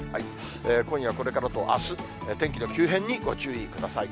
今夜これからとあす、天気の急変にご注意ください。